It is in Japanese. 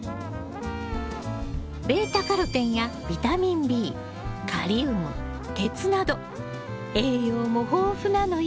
β−カロテンやビタミンＢカリウム鉄など栄養も豊富なのよ。